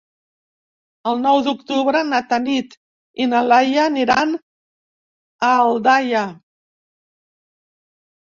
El nou d'octubre na Tanit i na Laia aniran a Aldaia.